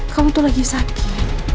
kamu tuh lagi sakit